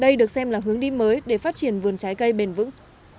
đây được xem là hướng đi mới để phát triển vườn trái cây bền vững